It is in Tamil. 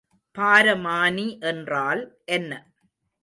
பாரமானி என்றால் என்ன?